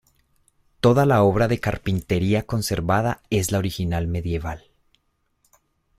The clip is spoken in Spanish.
Toda la obra de carpintería conservada es la original medieval.